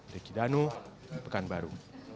deki danu pekanbaru